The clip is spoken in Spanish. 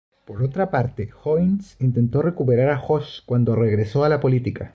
Por otra parte, Hoynes intentó recuperar a Josh cuando regresó a la política.